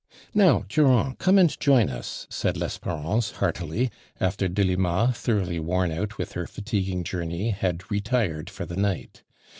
"Now, Durand, come and join us," said Lesperance, heartily, after Delima, tho roughly worn out with her fatiguing jour ney, had retired for the night.